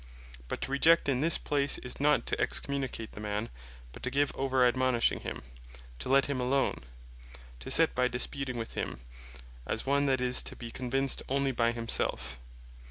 But to Reject (in this place) is not to Excommunicate the Man; But to Give Over Admonishing Him, To Let Him Alone, To Set By Disputing With Him, as one that is to be convinced onely by himselfe.